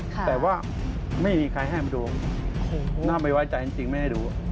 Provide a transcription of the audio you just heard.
แต่ว่าไม่มีใครให้มันดูน่าไม่ไว้ใจจริงไม่ให้ดู